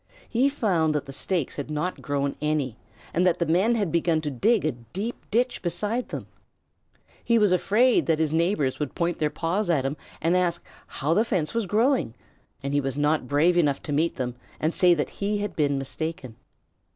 He found that the stakes had not grown any, and that the men had begun to dig a deep ditch beside them. He was afraid that his neighbors would point their paws at him and ask how the fence was growing, and he was not brave enough to meet them and say that he had been mistaken.